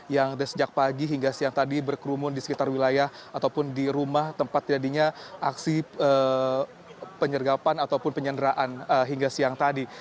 yang sejak pagi hingga siang tadi berkerumun di sekitar wilayah ataupun di rumah tempat terjadinya aksi penyergapan ataupun penyanderaan hingga siang tadi